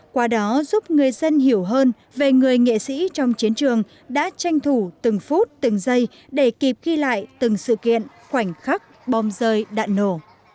qua đó giúp người dân hiểu hơn về người nghệ sĩ trong chiến trường đã tranh thủ từng phút từng giây để kịp ghi lại từng sự kiện khoảnh khắc bom rơi đạn nổ